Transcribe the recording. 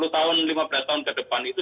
sepuluh tahun lima belas tahun ke depan itu